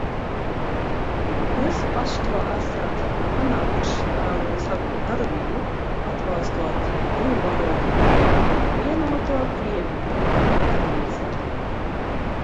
"Jūs paši to esat panākuši ar savu darbību, atbalstot divvalodību, "Vienoto Krieviju" un tamlīdzīgi."